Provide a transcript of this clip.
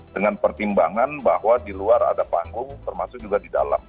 dengan pertimbangan bahwa di luar ada panggung termasuk juga di dalam